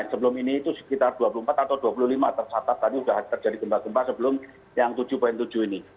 sebelum ini itu sekitar dua puluh empat atau dua puluh lima tersatat tadi sudah terjadi gempa gempa sebelum yang tujuh tujuh ini